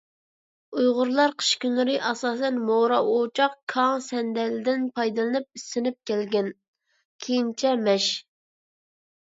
ئۇيغۇرلار قىش كۈنلىرى ئاساسەن مورا ئوچاق، كاڭ، سەندەلدىن پايدىلىنىپ ئىسسىنىپ كەلگەن، كېيىنچە مەش.